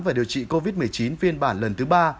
và điều trị covid một mươi chín phiên bản lần thứ ba